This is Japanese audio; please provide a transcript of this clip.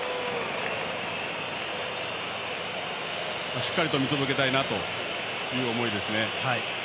しっかりと見届けたいなという思いですね。